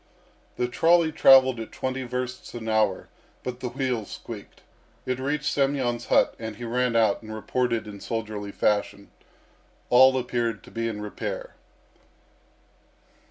The trolley travelled at twenty versts an hour, but the wheels squeaked. It reached Semyon's hut, and he ran out and reported in soldierly fashion. All appeared to be in repair.